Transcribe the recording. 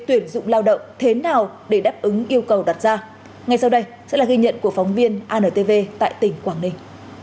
tuyển dụng lao động thế nào để đáp ứng yêu cầu đặt ra ngay sau đây sẽ là ghi nhận của phóng viên antv tại tỉnh quảng ninh